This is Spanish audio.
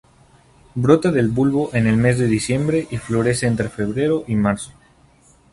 Brota del bulbo en el mes de diciembre y florece entre febrero y marzo.